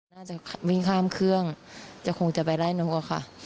น่าจะวิ่งข้ามเครื่องจะคงจะไปไล่นกอะค่ะ